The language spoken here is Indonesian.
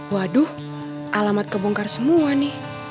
waduh alamat kebongkar semua nih